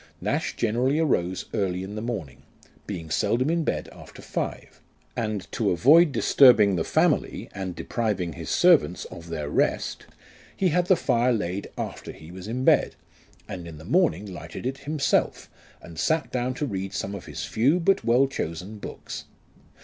Nash generally arose early in the morning, being seldom in bed after five ; and to avoid disturbing the family and depriving his servants of their rest, he had the fire laid after he was in bed, and in the morning lighted it himself, and sat down to road some of his few but well chosen books.